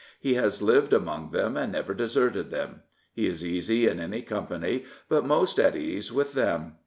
He has lived among them, and never deserted them. He is easy in any company, but most at ease with them.